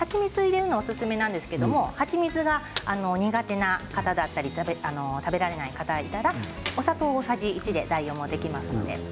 おすすめなんですけど蜂蜜が苦手な方だったり食べられない方がいたらお砂糖大さじ１で代用もできます。